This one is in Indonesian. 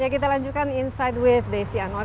ya kita lanjutkan inside with desti anwar